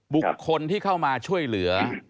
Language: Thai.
บุคคลที่เข้ามาช่วยเหลือ